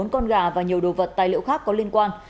bốn con gà và nhiều đồ vật tài liệu khác có liên quan